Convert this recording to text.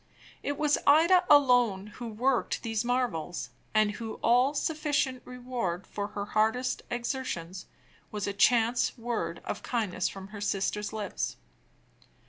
It was Ida alone who worked these marvels, and whose all sufficient reward for her hardest exertions was a chance word of kindness from her sister's lips.